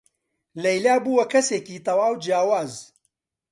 لەیلا بووە کەسێکی تەواو جیاواز.